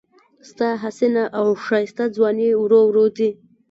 ستا حسینه او ښایسته ځواني ورو ورو ځي